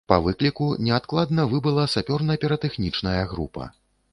Па выкліку неадкладна выбыла сапёрна-піратэхнічная група.